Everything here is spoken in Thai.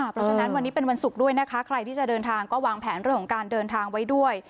เพราะฉะนั้นวันนี้เป็นวันศุกร์ด้วยนะคะใครที่จะเดินทางก็วางแผนเรื่องของการเดินทางไว้ด้วย